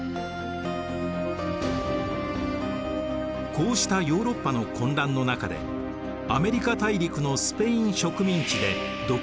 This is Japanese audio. こうしたヨーロッパの混乱の中でアメリカ大陸のスペイン植民地で独立運動が拡大。